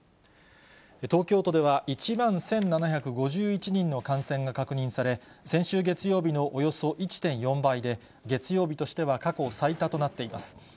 東京都では１万１７５１人の感染が確認され、先週月曜日のおよそ１．４倍で、月曜日としては過去最多となっています。